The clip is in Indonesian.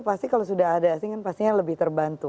pasti kalau sudah ada asing kan pastinya lebih terbantu